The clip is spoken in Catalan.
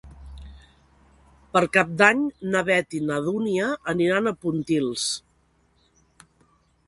Per Cap d'Any na Beth i na Dúnia aniran a Pontils.